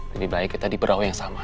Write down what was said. lebih baik kita di berawai yang sama